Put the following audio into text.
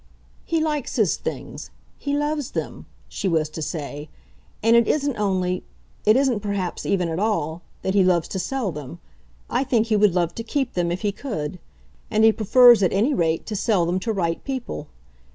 "He likes his things he loves them," she was to say; "and it isn't only it isn't perhaps even at all that he loves to sell them. I think he would love to keep them if he could; and he prefers, at any rate, to sell them to right people.